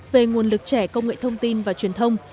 về nguồn lực trẻ công nghệ thông tin và truyền thông